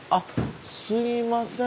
すみません。